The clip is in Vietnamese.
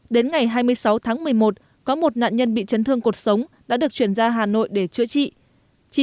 đến ngày hai mươi sáu tháng một mươi một có một nạn nhân bị chấn thương cuộc sống đã được chuyển ra hà nội để chữa trị